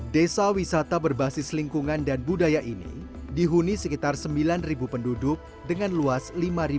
desa wisata berbasis lingkungan dan budaya ini dihuni sekitar sembilan penduduk dengan luas lima enam ratus